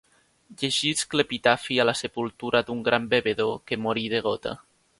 Llegisc l'epitafi a la sepultura d'un gran bevedor que morí de gota.